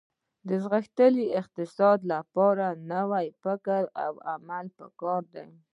د غښتلي اقتصاد لپاره ښه فکر او عمل په کار دي